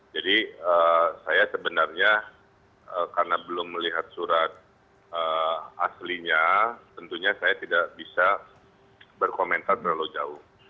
jadi saya sebenarnya karena belum melihat surat aslinya tentunya saya tidak bisa berkomentar terlalu jauh